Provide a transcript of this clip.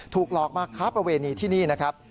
หลอกมาค้าประเวณีที่นี่นะครับ